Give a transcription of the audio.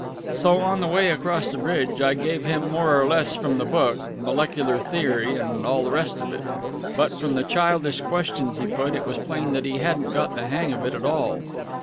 So, on the way across the bridge, I gave it him more or less from the book molecular theory and all the rest of it. But, from the childish questions he put, it was plain that he hadn't got the hang of it at all.